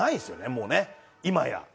もうね今や。